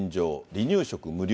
離乳食無料。